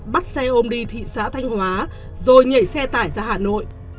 bắt xe ôm đi thị xã thanh hóa rồi nhảy xe tải ra hà nội